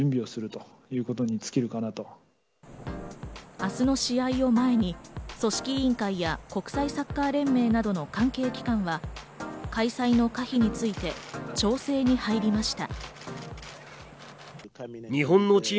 明日の試合を前に組織委員会や国際サッカー連盟などの関係機関は開催の可否について調整に入りました。